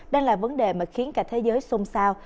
đang là vấn đề mà khiến cả thế giới xôn xao